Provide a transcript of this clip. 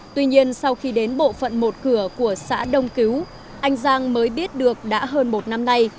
tuy nhiên sau khi đến bộ phận một cửa của xã đông cứu anh giang mới biết được đã hơn một năm nay